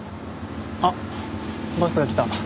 あっバスが来た。